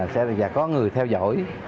sẽ có người theo dõi